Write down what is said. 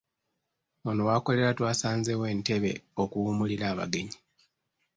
Ono w'akolera twasanzeewo entebe okuwummulira abagenyi.